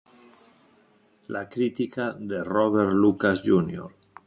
La crítica de Robert Lucas Jr.